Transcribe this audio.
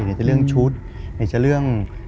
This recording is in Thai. ในเรื่องชุดในกระเทียดเป็นเรื่อง